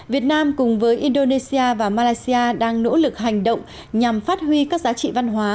việt nam cùng với indonesia và malaysia đang nỗ lực hành động nhằm phát huy các giá trị văn hóa